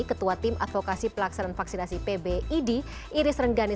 ketua tim advokasi pelaksanaan vaksinasi pbid iris renggani